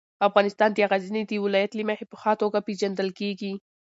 افغانستان د غزني د ولایت له مخې په ښه توګه پېژندل کېږي.